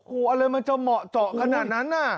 โอ้โหอะไรมันจะเหมาะเจาะขนาดนั้นน่ะ